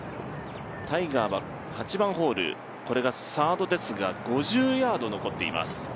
タイガーは８番ホールこれがサードですが５０ヤード残っています。